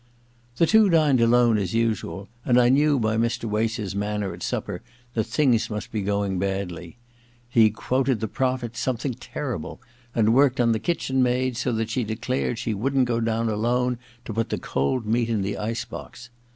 The two dined alone, as usual, and I knew by Mr. Wace's manner at supper that things must be going badly. He quoted the pro phets something terrible, and worked on the kitchen maid so that she declared she wouldn't go down alone to put the cold meat in the ice box.